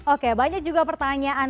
oke banyak juga pertanyaan